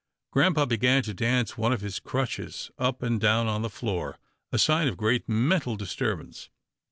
Grampa began to dance one of his crutches up and down on the floor — a sign of great mental disturbance.